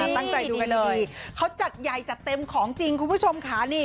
ตั้งใจดูกันดีเขาจัดใหญ่จัดเต็มของจริงคุณผู้ชมค่ะนี่